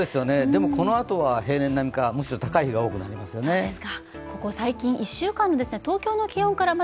でも、このあとは平年並みか、むしろ高い日が多くなります。